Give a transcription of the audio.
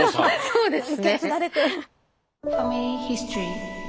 そうですね。